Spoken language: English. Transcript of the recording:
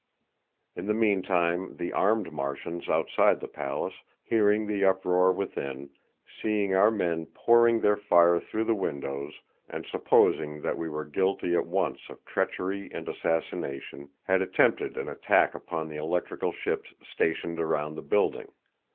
In the meantime the armed Martians outside the palace, hearing the uproar within, seeing our men pouring their fire through the windows, and supposing that we were guilty at once of treachery and assassination, had attempted an attack upon the electrical ships stationed round the building.